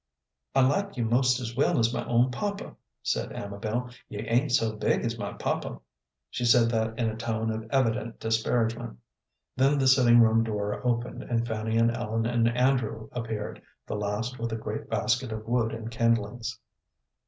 "I like you most as well as my own papa," said Amabel. "You ain't so big as my papa." She said that in a tone of evident disparagement. Then the sitting room door opened, and Fanny and Ellen and Andrew appeared, the last with a great basket of wood and kindlings.